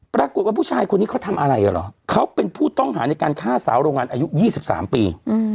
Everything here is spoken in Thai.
ปรากฏว่าผู้ชายคนนี้เขาทำอะไรเหรอเขาเป็นผู้ต้องหาในการฆ่าสาวโรงงานอายุ๒๓ปี